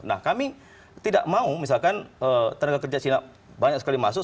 nah kami tidak mau misalkan tenaga kerja cina banyak sekali masuk